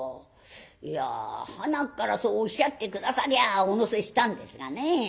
いやはなっからそうおっしゃって下さりゃお乗せしたんですがね。